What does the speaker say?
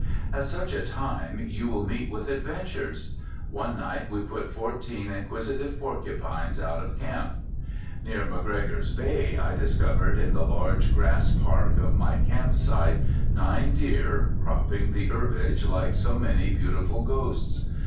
At such a time you will meet with adventures. One night we put fourteen inquisitive porcupines out of camp. Near McGregor's Bay I discovered in the large grass park of my camp site nine deer, cropping the herbage like so many beautiful ghosts.